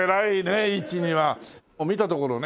見たところね